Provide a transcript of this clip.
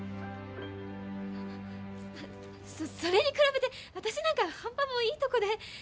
それに比べて私なんか半端もいいとこで。